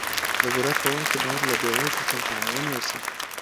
د ضرورت په وخت کي باید له بې وزلو سره تعاون وسي.